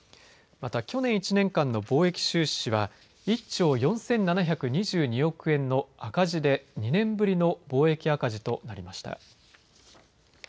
また去年１年間の貿易収支は１兆４７２２億円の赤字で２年ぶりの貿易赤字となりました。